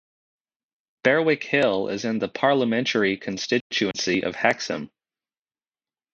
Berwick Hill is in the parliamentary constituency of Hexham.